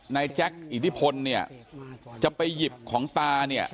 แจ็คอิทธิพลเนี่ยจะไปหยิบของตาเนี่ย